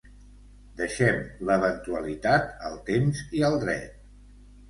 Deixem l'eventualitat al temps i al dret.